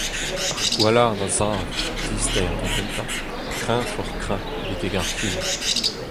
Ar gwalarn a sav, dister da gentañ, kreñvoc'h-kreñv betek ar fin.